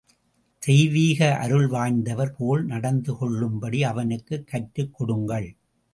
தெய்வீக அருள் வாய்த்தவர் போல் நடந்துகொள்ளும்படி அவனுக்குக் கற்றுக் கொடுங்கள்.